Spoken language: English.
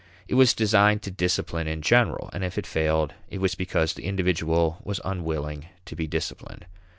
It was designed to discipline in general, and if it failed, it was because the individual was unwilling to be disciplined.